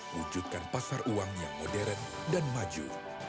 wujudkan pasar uang yang modern dan maju